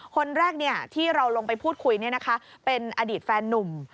คนแรกที่เราลงไปพูดคุยเป็นอดีตแฟนนุ่ม